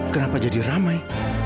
kenapa jadi ramai